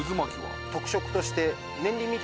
特色として。